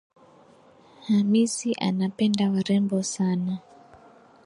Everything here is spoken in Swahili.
Hamisi anapenda warembo sana.